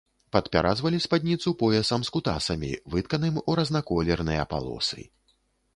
Падпяразвалі спадніцу поясам з кутасамі, вытканым у разнаколерныя палосы.